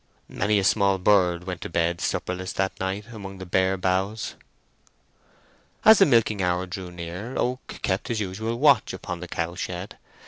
Many a small bird went to bed supperless that night among the bare boughs. As the milking hour drew near, Oak kept his usual watch upon the cowshed.